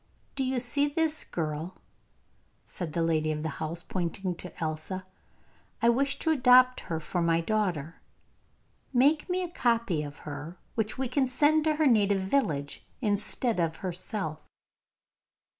'Do you see this girl?' said the lady of the house, pointing to Elsa. 'I wish to adopt her for my daughter. Make me a copy of her, which we can send to her native village instead of herself.